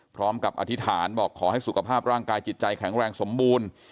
อธิษฐานบอกขอให้สุขภาพร่างกายจิตใจแข็งแรงสมบูรณ์